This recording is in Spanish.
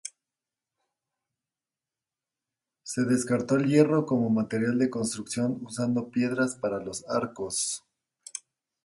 Se descartó el hierro como material de construcción usando piedra para los arcos.